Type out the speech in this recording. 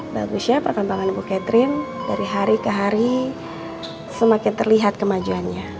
bagusnya perkembangan bu catherine dari hari ke hari semakin terlihat kemajuannya